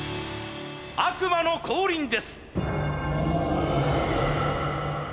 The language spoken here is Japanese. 悪魔の降臨です！